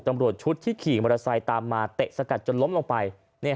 ตำรวจชุดที่ขี่มอเตอร์ไซค์ตามมาเตะสกัดจนล้มลงไป